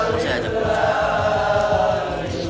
semoga berjaya berjaya berjaya